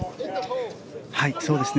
そうですね。